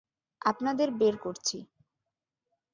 আপনাদের বের করছি!